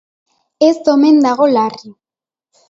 Ez omen dago larri.